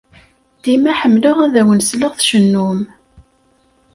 Dima ḥemmleɣ ad awen-sleɣ tcennum.